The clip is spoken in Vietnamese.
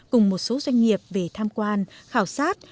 cùng một số doanh nghiệp về tham quan khảo sát